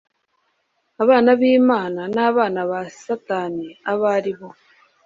abana b imana n abana ba satani abo ari bo